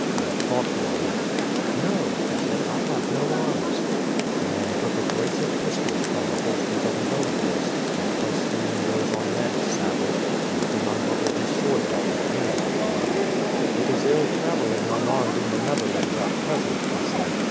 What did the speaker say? Ned thought for a minute. "No," he said. "I have no arms." The man took a brace of pistols from the holsters of his own horse and placed them in those on Ned's saddle, and then unbuckled his sword belt and handed it to Ned. "It is ill travelling unarmed in the Netherlands at present," he said.